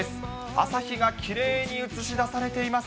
朝日がきれいに映し出されています。